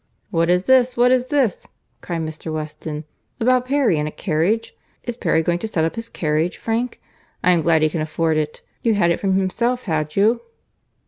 "What is this?—What is this?" cried Mr. Weston, "about Perry and a carriage? Is Perry going to set up his carriage, Frank? I am glad he can afford it. You had it from himself, had you?"